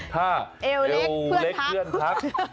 ท่าเอวเล็กเพื่อนทัก